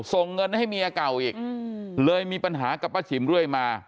ส่งเงินให้เมียเก่าอีกเลยมีปัญหากับป้าฉิมเรื่อยมา